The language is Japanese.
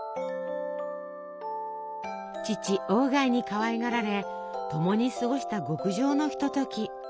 父鴎外にかわいがられ共に過ごした極上のひととき。